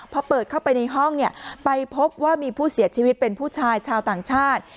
พอเปิดเข้าไปในห้องไปพบว่ามีผู้เสียชีวิตเป็นผู้ชายชาวต่างชาติ